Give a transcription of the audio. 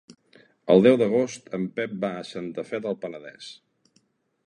El deu d'agost en Pep va a Santa Fe del Penedès.